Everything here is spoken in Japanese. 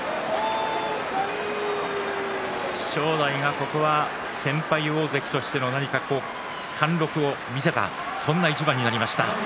正代が、ここはなにか先輩大関としての貫禄を見せた一番になりました。